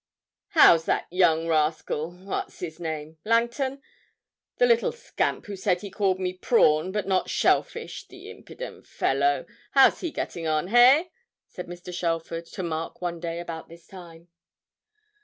'How's that young rascal what's his name? Langton? the little scamp who said he called me "Prawn," but not "Shellfish," the impident fellow! How's he getting on, hey?' said Mr. Shelford to Mark one day about this time.